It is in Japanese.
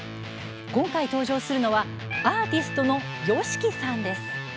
今回、登場するのはアーティストのＹＯＳＨＩＫＩさんです。